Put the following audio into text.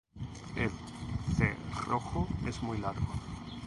El cerrojo es muy largo.